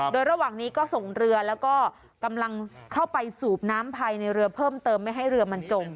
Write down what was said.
โดยระหว่างนี้ก็ส่งเรือแล้วก็กำลังเข้าไปสูบน้ำภายในเรือเพิ่มเติมไม่ให้เรือมันจม